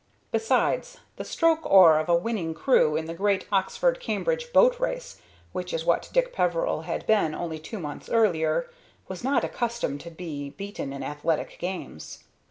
Besides, the stroke oar of a winning crew in the great Oxford Cambridge boat race, which is what Dick Peveril had been only two months earlier, was not accustomed to be beaten in athletic games.